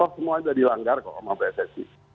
semua sudah dilanggar oleh pssi